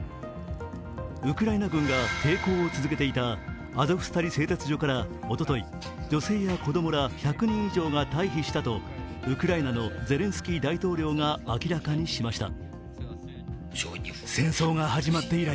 ウクライナ軍が抵抗を続けていたアゾフスタリ製鉄所からおととい、おととい女性や子供ら１００人以上が退避したとウクライナのゼレンスキー大統領が明らかにしました。